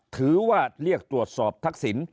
ถือว่าเรียกตรวจสอบทักษิณ